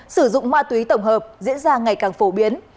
sử dụng ma túy tổng hợp diễn ra ngày càng phổ biến